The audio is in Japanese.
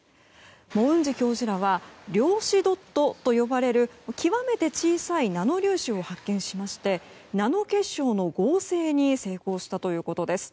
モウンジ教授らは量子ドットと呼ばれる極めて小さいナノ粒子を発見しましてナノ結晶の合成に成功したということです。